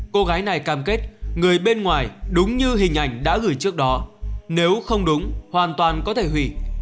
cô gái này cam kết người bên ngoài đúng như hình ảnh đã gửi trước đó nếu không đúng hoàn toàn có thể hủy